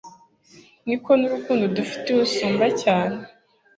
niko n'urukundo adufitiye usumba cyane